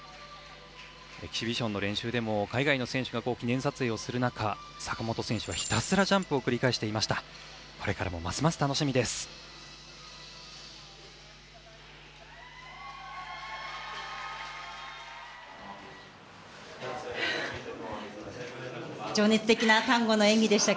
エキシビションの練習でも海外の選手が記念撮影をする中坂本選手はひたすらジャンプを繰り返していました。